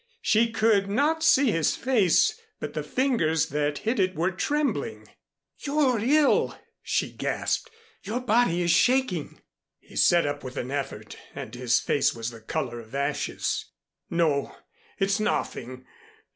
She could not see his face, but the fingers that hid it were trembling. "You're ill!" she gasped. "Your body is shaking." He sat up with an effort and his face was the color of ashes. "No, it's nothing.